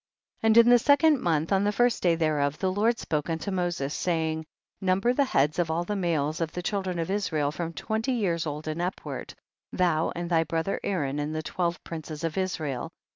17. And in the second month, on the first day thereof, the Lord spoke unto Moses, saying, 18. Number the heads of all the males of the children of Israel from twenty years old and upward, thou and thy brother Aaron and the twelve princes of Israel.